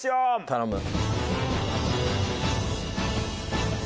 頼む。